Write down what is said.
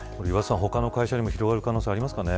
他の会社にも広がる可能性ありますかね。